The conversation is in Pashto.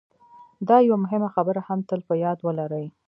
دا یوه مهمه خبره هم تل په یاد ولرئ